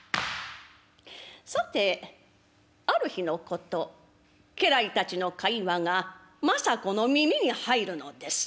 さてある日のこと家来たちの会話が政子の耳に入るのです。